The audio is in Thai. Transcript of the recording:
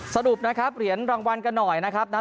สรุปนะครับเหรียญรางวัลกันหน่อยนะครับ